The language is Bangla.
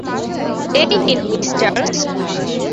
এই নিন, মিস চার্লস।